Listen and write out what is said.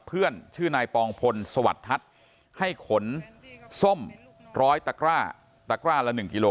เพื่อนชื่อนายปองพลสวัสดิ์ทัศน์ให้ขนส้มร้อยตะกร้าตะกร้าละ๑กิโล